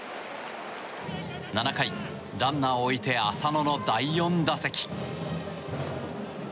７回、ランナーを置いて浅野の第４打席。